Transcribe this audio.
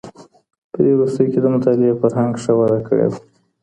په دې وروستيو کي د مطالعې فرهنګ ښه وده کړې وه.